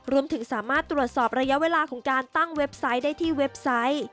รวมถึงสามารถตรวจสอบระยะเวลาของการตั้งเว็บไซต์ได้ที่เว็บไซต์